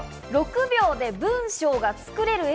６秒で文章が作れるＡＩ。